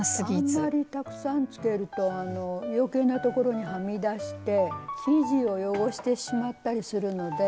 あんまりたくさんつけると余計なところにはみ出して生地を汚してしまったりするので。